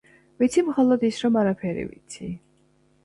ვიცი მხოლოდ ის, რომ არაფერი ვიცი